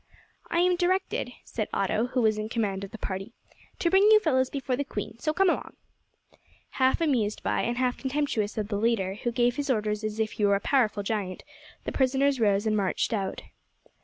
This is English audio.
"I am directed," said Otto, who was in command of the party, "to bring you fellows before the queen, so, come along." Half amused by and half contemptuous of the leader, who gave his orders as if he were a powerful giant, the prisoners rose and marched out.